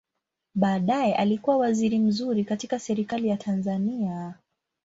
Baadaye alikua waziri mzuri katika Serikali ya Tanzania.